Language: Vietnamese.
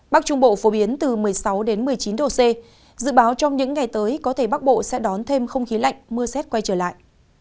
bắc trung bộ phổ biến từ một mươi sáu một mươi chín độ c dự báo trong những ngày tới có thể bắc bộ sẽ đón thêm không khí lạnh mưa rét quay trở lại